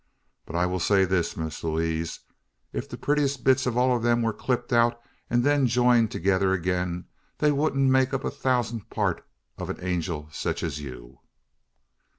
But I will say this, Miss Lewaze: ef the puttiest bits o' all o' them war clipped out an then jeined thegither agin, they wudn't make up the thousanth part o' a angel sech as you."